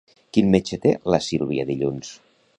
Quin metge té la Sílvia dilluns?